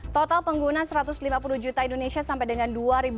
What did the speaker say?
total pengguna satu ratus lima puluh juta indonesia sampai dengan dua ribu dua puluh